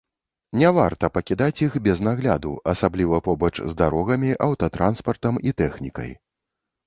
Не варта пакідаць іх без нагляду, асабліва побач з дарогамі, аўтатранспартам і тэхнікай.